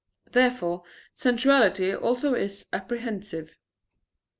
Therefore sensuality also is apprehensive.